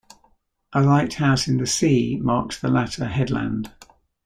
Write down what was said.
A lighthouse in the sea marks the latter headland.